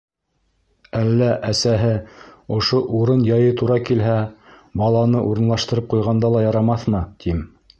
Әллә, әсәһе, ошо урын-яйы тура килһә, баланы урынлаштырып ҡуйғанда ла ярамаҫмы, тим.